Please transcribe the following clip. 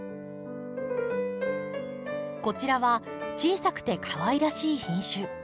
こちらは小さくてかわいらしい品種。